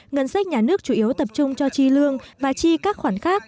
ngân sách nhà nước chủ yếu tập trung cho chi lương và chi các khoản khác